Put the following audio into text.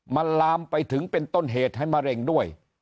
มันลามไปถึงเป็นต้นเหตุให้มะเร็งด้วย